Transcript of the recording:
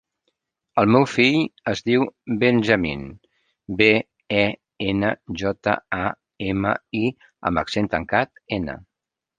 El meu fill es diu Benjamín: be, e, ena, jota, a, ema, i amb accent tancat, ena.